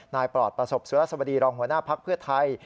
ปลอดประสบสุรสวดีรองหัวหน้าภักดิ์เพื่อไทย